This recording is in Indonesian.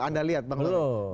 anda lihat bang taufik